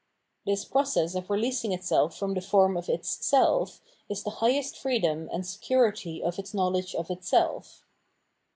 This process of releasing itself from the form of its self is the highest freedom and security of its know ledge of itself.